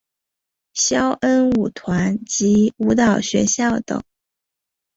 萧恩舞团及舞蹈学校等。